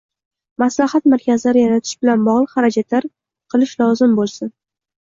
maslahat markazlari yaratish bilan bog‘liq xarajatlar qilish lozim bo‘lsin